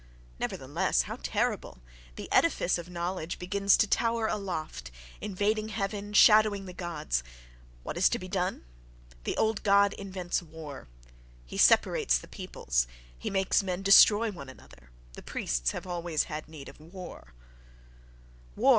Nevertheless—how terrible!—, the edifice of knowledge begins to tower aloft, invading heaven, shadowing the gods—what is to be done?—The old God invents war; he separates the peoples; he makes men destroy one another (—the priests have always had need of war....).